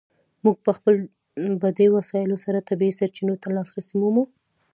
موږ په دې وسایلو سره طبیعي سرچینو ته لاسرسی مومو.